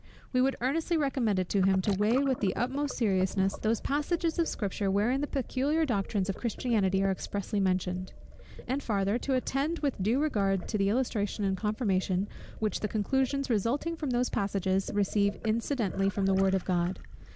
We would earnestly recommend it to him to weigh with the utmost seriousness those passages of Scripture wherein the peculiar doctrines of Christianity are expressly mentioned; and farther, to attend with due regard to the illustration and confirmation, which the conclusions resulting from those passages receive incidentally from the word of God.